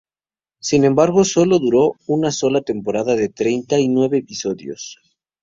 Sin embargo, sólo duró una sola temporada de treinta y nueve episodios.